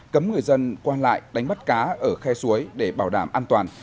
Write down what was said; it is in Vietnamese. cấm người dân quan lại đánh bắt cá ở khe suối để bảo đảm an toàn